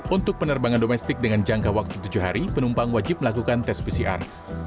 untuk penerbangan domestik dengan jangka waktu tujuh hari penumpang wajib melakukan tes pcr